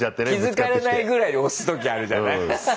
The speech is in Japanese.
気付かれないぐらいに押す時あるじゃない。